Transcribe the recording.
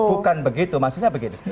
bukan begitu maksudnya begitu